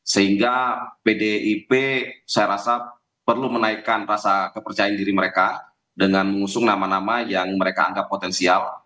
sehingga pdip saya rasa perlu menaikkan rasa kepercayaan diri mereka dengan mengusung nama nama yang mereka anggap potensial